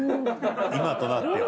今となっては。